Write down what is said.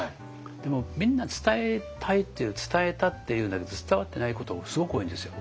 でもみんな伝えたいって言う伝えたって言うんだけど伝わってないことがすごく多いんですよ。